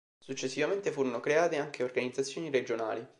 Successivamente furono create anche organizzazioni regionali.